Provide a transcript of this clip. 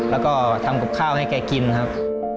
แล้วก็ทำกับข้าวให้แกกินครับ